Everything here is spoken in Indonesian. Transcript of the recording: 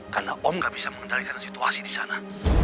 karena om gak bisa mengendalikan situasi disana